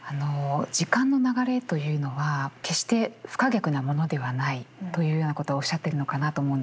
時間の流れというのは決して不可逆なものではないというようなことをおっしゃってるのかなと思うんですけど。